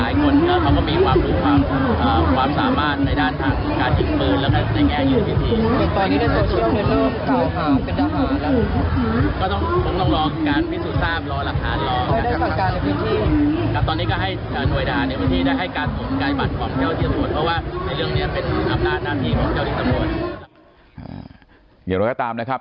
อย่างน้อยก็ตามนะครับ